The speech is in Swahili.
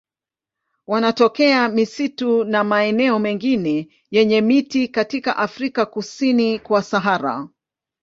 Wanatokea misitu na maeneo mengine yenye miti katika Afrika kusini kwa Sahara.